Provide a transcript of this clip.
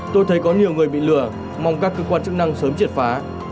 tôi thấy có nhiều người bị lừa mong các cơ quan chức năng sớm triệt phá